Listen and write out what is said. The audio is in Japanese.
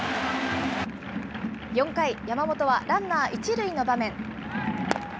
４回、山本はランナー１塁の場面。